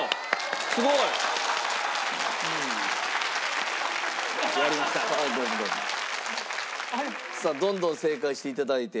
すごい！さあどんどん正解して頂いて。